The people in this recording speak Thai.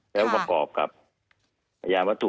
แล้วประกอบกับพยานวัตถุ